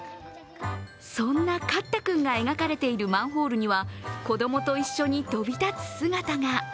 そんなカッタくんが描かれているマンホールには子供と一緒に飛び立つ姿が。